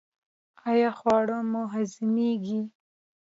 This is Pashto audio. ایا خواړه مو هضمیږي؟